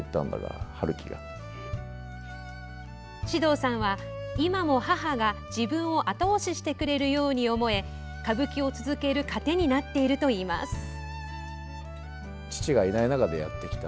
獅童さんは今も母が自分を後押ししてくれるように思え歌舞伎を続ける糧になっているといいます。